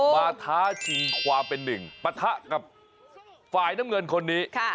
ท้าชิงความเป็นหนึ่งปะทะกับฝ่ายน้ำเงินคนนี้